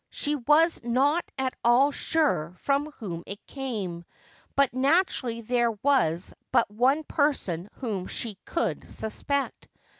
She was not at all sure from whom it came, but naturally there was but one person whom she could suspect.